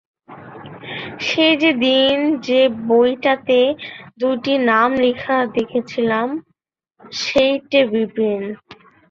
সেই-যে সেদিন যে বইটাতে দুটি নাম লেখা দেখেছিলাম, সেইটে– বিপিন।